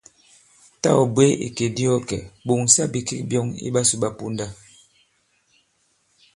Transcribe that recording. Tâ ɔ̀ bwě ìkè di ɔ kɛ̀, ɓòŋsa bìkek byɔ̄ŋ i ɓasū ɓa ponda.